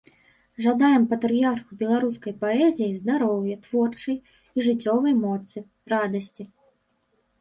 Жадаем патрыярху беларускай паэзіі здароўя, творчай і жыццёвай моцы, радасці.